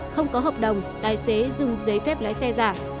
không có hợp đồng tài xế dùng giấy phép lái xe giả